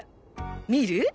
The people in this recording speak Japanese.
見る？